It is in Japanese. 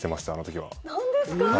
何ですか？